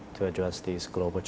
untuk mengatasi tantangan global ini